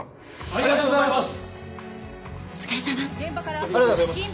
ありがとうございます！